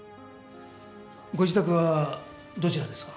ご自宅はどちらですか？